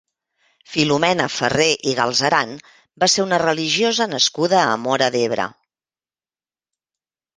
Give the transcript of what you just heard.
Filomena Ferrer i Galzeran va ser una religiosa nascuda a Móra d'Ebre.